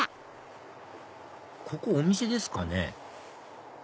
ここお店ですかね？